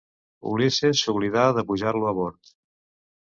Ulisses s'oblidà de pujar-lo a bord.